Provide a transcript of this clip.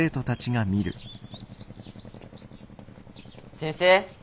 先生。